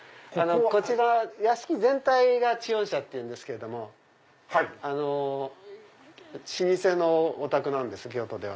こちら屋敷全体がちおん舎っていうんですけども老舗のお宅なんです京都では。